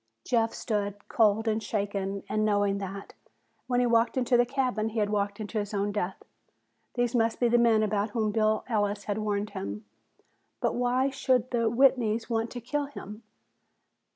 Jeff stood, cold and shaken and knowing that, when he walked into the cabin, he had walked into his own death. These must be the men about whom Bill Ellis had warned him. But why should the Whitneys want to kill him?